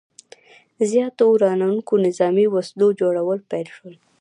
زیاتو ورانوونکو نظامي وسلو جوړول پیل شو.